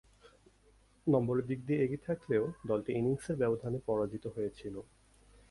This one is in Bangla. নম্বরের দিক দিয়ে এগিয়ে থাকলেও দলটি ইনিংসের ব্যবধানে পরাজিত হয়েছিল।